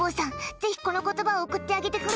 ぜひこの言葉を贈ってあげてくれ！